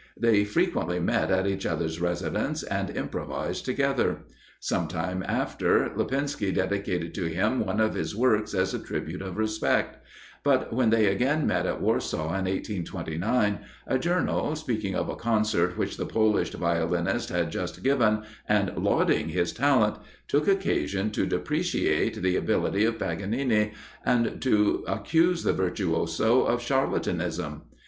They frequently met at each other's residence and improvised together. Some time after, Lipinski dedicated to him one of his works[L] as a tribute of respect; but when they again met at Warsaw, in 1829, a journal, speaking of a concert which the Polish violinist had just given, and lauding his talent, took occasion to depreciate the ability of Paganini, and to accuse the virtuoso of charlatanism.